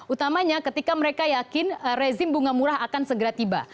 utamanya ketika mereka yakin rezim bunga murah akan segera tiba